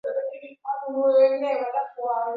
Lake mtu halimtapishi bali humchefusha